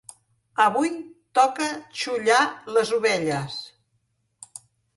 Avui toca xollar les ovelles.